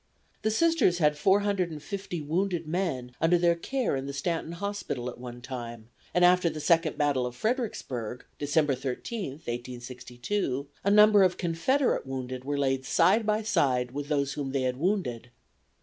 "The Sisters had four hundred and fifty wounded men under their care in the Stanton Hospital at one time, and after the second battle of Fredericksburg, December 13, 1862, a number of Confederate wounded were laid side by side with those whom they had wounded.